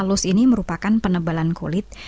halus ini merupakan penebalan kulit